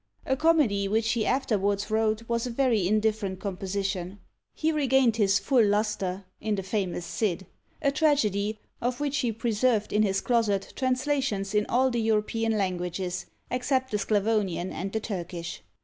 A comedy which he afterwards wrote was a very indifferent composition. He regained his full lustre in the famous Cid, a tragedy, of which he preserved in his closet translations in all the European languages, except the Sclavonian and the Turkish.